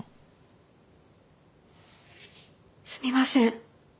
すみません。